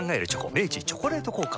明治「チョコレート効果」